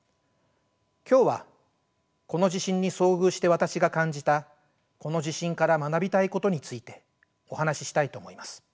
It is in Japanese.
今日はこの地震に遭遇して私が感じたこの地震から学びたいことについてお話ししたいと思います。